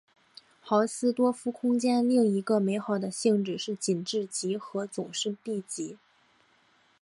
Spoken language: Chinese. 豪斯多夫空间另一个美好的性质是紧致集合总是闭集。